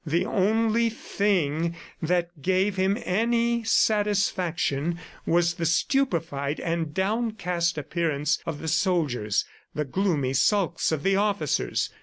The only thing that gave him any satisfaction was the stupefied and downcast appearance of the soldiers, the gloomy sulks of the officers.